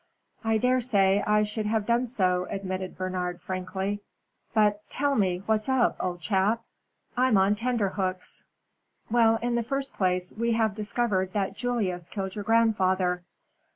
"I daresay I should have done so," admitted Bernard, frankly. "But, tell me, what's up, old chap? I'm on tenterhooks." "Well, in the first place, we have discovered that Julius killed your grandfather."